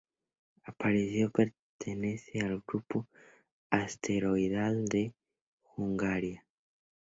Aparicio pertenece al grupo asteroidal de Hungaria.